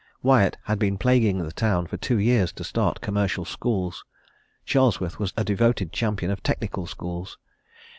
Wyatt had been plaguing the town for two years to start commercial schools: Charlesworth was a devoted champion of technical schools.